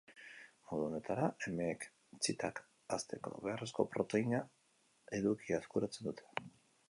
Modu honetara, emeek txitak hazteko beharrezko proteina edukia eskuratzen dute.